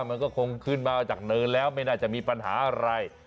มันก็คงขึ้นมาจากเนินแล้วไม่น่าจะมีปัญหาอะไร